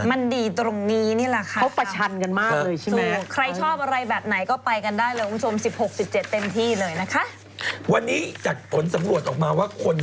มันดีตรงนี้นี่แหละค่ะเขาประชันกันมากเลยใช่ไหม